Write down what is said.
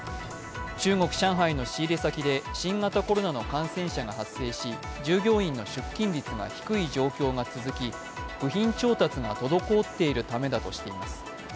中国・上海の仕入れ先で新型コロナの感染者が発生し従業員の出勤率が低い状況が続き部品調達が滞っているためだとしています。